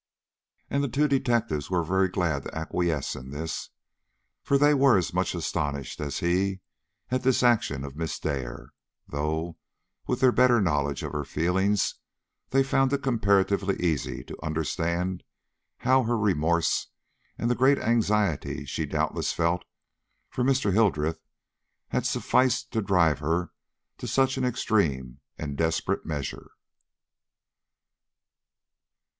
And the two detectives were very glad to acquiesce in this, for they were as much astonished as he at this action of Miss Dare, though, with their better knowledge of her feelings, they found it comparatively easy to understand how her remorse and the great anxiety she doubtless felt for Mr. Hildreth had sufficed to drive her to such an extreme and desperate measure.